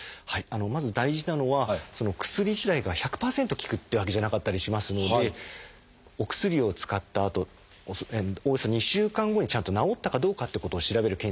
まず大事なのは薬自体が１００％効くってわけじゃなかったりしますのでお薬を使ったあとおよそ２週間後にちゃんと治ったかどうかってことを調べる検査が必要になってきます。